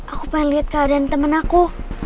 aku pengen liat keadaan temen aku